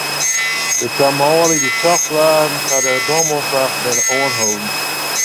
De twa manlju dy't socht waarden foar de bomoanslach, binne oanholden.